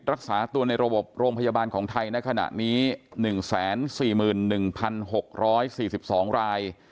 รักษาตัวในระบบโรงพยาบาลของไทยในขณะนี้๑๔๑๖๔๒ราย